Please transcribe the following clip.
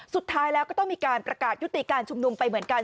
สุดท้ายแล้วก็ต้องมีการประกาศยุติการชุมนุมไปเหมือนกัน